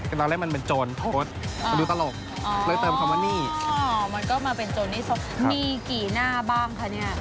ก็มาเป็นโจรนี่ซมมีกี่หน้าบ้างคะ